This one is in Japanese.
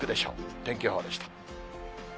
天気予報でした。